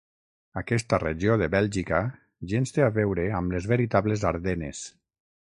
Aquesta regió de Bèlgica gens té a veure amb les veritables Ardenes.